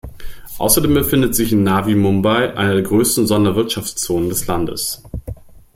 Außerdem befindet sich in Navi Mumbai eine der größten Sonderwirtschaftszonen des Landes.